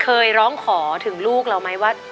เคยร้องขอถึงลูกเราไหมว่า